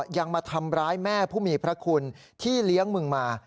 ยังมาทำร้ายแม่ผู้มีพระคุณที่เลี้ยงมึงมา